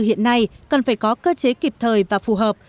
hiện nay cần phải có cơ chế kịp thời và phù hợp